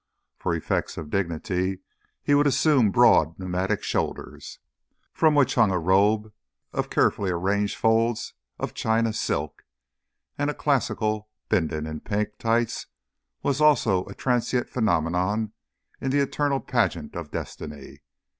For effects of dignity he would assume broad pneumatic shoulders, from which hung a robe of carefully arranged folds of China silk, and a classical Bindon in pink tights was also a transient phenomenon in the eternal pageant of Destiny.